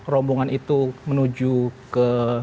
rombongan itu menuju ke